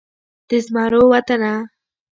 د زمرو وطنه